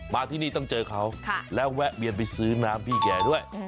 มาที่นี่ต้องเจอเขาแล้วแวะเวียนไปซื้อน้ำพี่แกด้วย